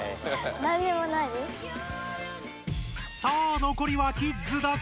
さあのこりはキッズだけ！